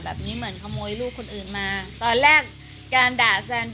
แบบนี้เหมือนขโมยลูกคนอื่นมา